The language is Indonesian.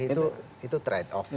jadi itu trade off saja